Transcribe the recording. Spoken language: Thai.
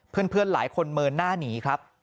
เพื่อนหลายคนเมินหน้าหนีครับ